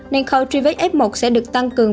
nên khâu truy vết f một sẽ được tăng cường